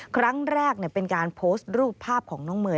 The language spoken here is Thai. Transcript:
ครั้งแรกเป็นการโพสต์รูปภาพของน้องเมย์